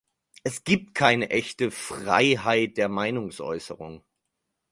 Es gibt keine echte Freiheit der Meinungsäußerung.